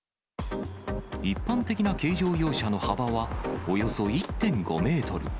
一般的な軽乗用車の幅はおよそ１．５メートル。